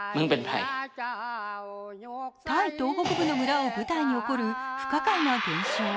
タイ東北部の村を舞台に起こる不可解な現象。